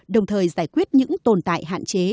đồng thời giải quyết những tồn tại hạn chế